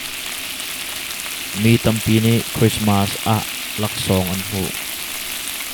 Mi tampi nih Krismas ah laksawng an hmuh.